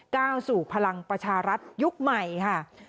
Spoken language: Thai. ก้าวสู่พลังประชารัฐยุคใหม่ค่ะ